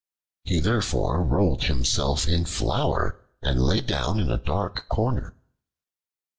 He therefore rolled himself in flour and lay down in a dark corner.